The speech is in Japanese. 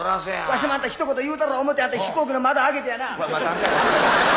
わしもひと言言うたろう思うて飛行機の窓開けてやな。